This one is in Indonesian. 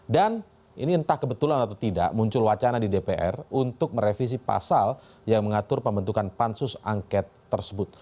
dan ini entah kebetulan atau tidak muncul wacana di dpr untuk merevisi pasal yang mengatur pembentukan pansus angket tersebut